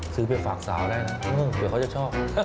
ซื้อไปฝากสาวได้นะเดี๋ยวเขาจะชอบ